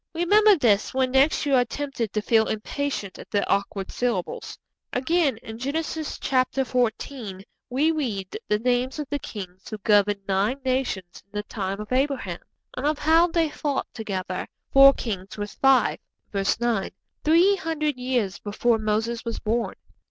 Remember this when next you are tempted to feel impatient at the awkward syllables. Again, in Genesis xiv. we read the names of the kings who governed nine nations in the time of Abraham, and of how they fought together 'four kings with five' (verse 9) three hundred years before Moses was born.